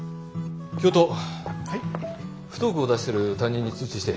不登校を出してる担任に通知して。